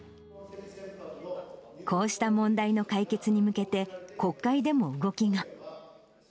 こうした問題の解決に向けて、国会でも動きが。